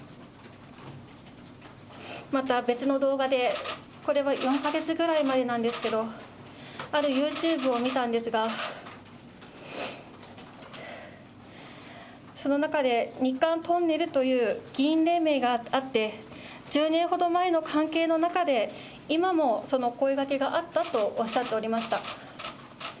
また別の動画で、これは４か月くらい前なんですけれども、あるユーチューブを見たんですが、その中で日韓トンネルという議員連盟があって、１０年ほど前の関係の中で、今もその声がけがあったとおっしゃっておりました。